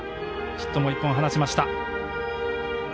ヒットも１本放ちました。